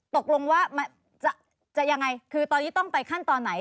ตกลงว่าจะยังไงคือตอนนี้ต้องไปขั้นตอนไหน